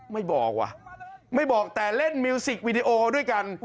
ไม่บอกว่ะไม่บอกแต่เล่นมิวสิกวีดีโอด้วยกัน